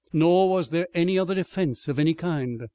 Nor was there any other defense of any kind.